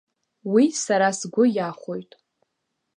Уи сара сгәы иахәоит.